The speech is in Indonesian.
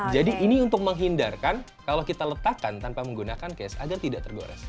jadi ini untuk menghindarkan kalau kita letakkan tanpa menggunakan case agar tidak tergores